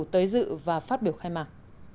tới dự và phát biểu khai mạc